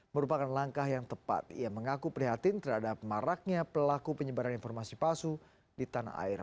merupakan langkah yang tepat ia mengaku prihatin terhadap maraknya pelaku penyebaran informasi palsu di tanah air